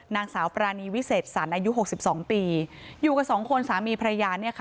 นางสาวปรานีวิเศษสรรอายุหกสิบสองปีอยู่กับสองคนสามีภรรยาเนี่ยค่ะ